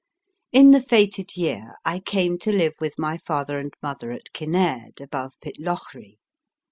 In the fated year I came to live with my father and mother at Kinnaird, above Pitlochry.